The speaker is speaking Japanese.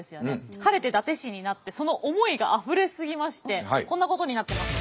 晴れて伊達市になってその思いがあふれすぎましてこんなことになってます。